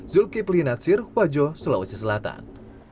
zulkifli natsir wajo sulawesi selatan